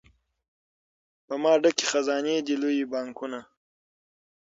په ما ډکي خزانې دي لوی بانکونه